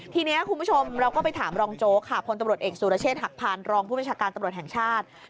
ทีนี้คุณผู้ชมเราก็ไปถามรองโจ๊กค่ะ